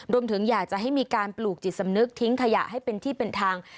รวมถึงอยากจะให้มีการปลูกจิตสำนึกทิ้งขยะให้เป็นที่เป็นทาง